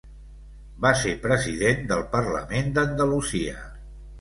Va ser president del Parlament d'Andalusia.